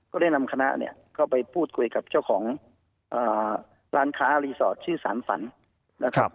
ก็ได้นำคณะเนี่ยเข้าไปพูดคุยกับเจ้าของร้านค้ารีสอร์ทชื่อสารฝันนะครับ